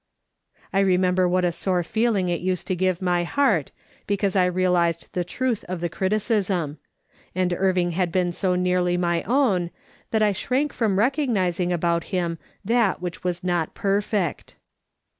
I remember what a sore feeling it used to give my heart, because I realised the truth of the criticism : and Irving hnd been so nearly my own that I shrank from recognising about him that wliich was not perfect.